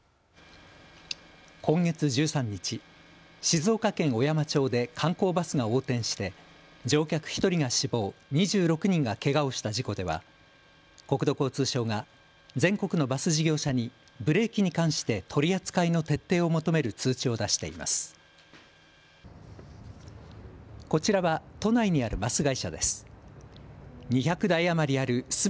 今月１３日、静岡県小山町で観光バスが横転して乗客１人が死亡、２６人がけがをした事故では国土交通省が全国のバス事業者にブレーキに関して取り扱いの徹底を求める通知を出しています。